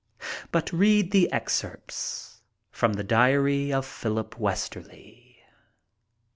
But read the excerpts from the diary of Philip Westerly.